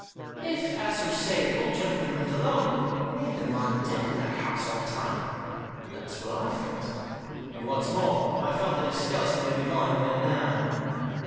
" If, as you say, the old gentleman lived alone, he may have been lying dead in the house all the time." " That's what I've felt. And, what's more, I've felt that his skeleton may be lying there now."